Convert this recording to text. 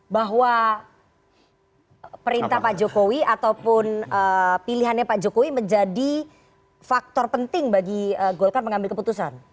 bahwa perintah pak jokowi ataupun pilihannya pak jokowi menjadi faktor penting bagi golkar mengambil keputusan